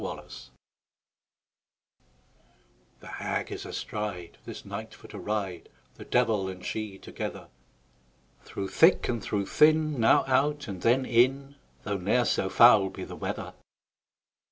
THE HAG The Hag is astride, This night for to ride, The devil and she together; Through thick and through thin, Now out, and then in, Though ne'er so foul be the weather.